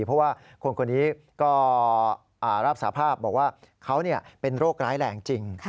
เพราะว่าคนคนนี้ก็รับสาภาพบอกว่าเขาเป็นโรคร้ายแรงจริง